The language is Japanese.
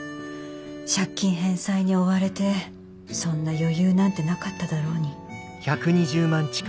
借金返済に追われてそんな余裕なんてなかっただろうに。